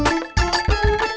kerja di pabrik